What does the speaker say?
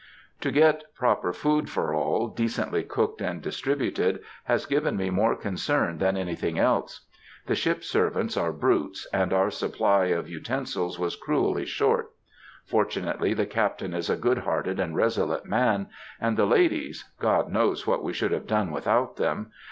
To get proper food for all, decently cooked and distributed, has given me more concern than anything else. The ship servants are brutes, and our supply of utensils was cruelly short. Fortunately the Captain is a good hearted and resolute man, and the ladies—God knows what we should have done without them!